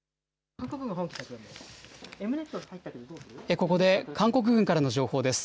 ここで韓国軍からの情報です。